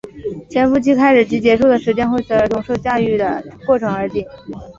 潜伏期开始及结束的时间会随儿童受养育的过程而定。